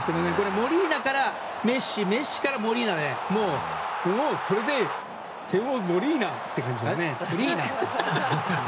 モリーナからメッシメッシからモリーナでもう、これで点をモリーナ！って感じだよね。